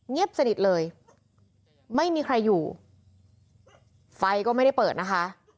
สนิทสนิทเลยไม่มีใครอยู่ไฟก็ไม่ได้เปิดนะคะ